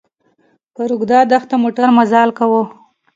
پر اوږده دښته موټر مزل کاوه.